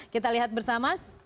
kita lihat bersama